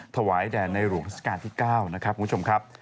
ถวายแด่ในหลวงราชการที่๙นะครับคุณผู้ชมครับ